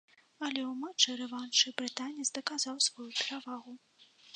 Але ў матчы-рэваншы брытанец даказаў сваю перавагу.